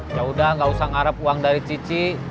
ya udah gak usah ngarap uang dari cici